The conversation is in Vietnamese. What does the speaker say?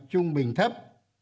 trung bình thấp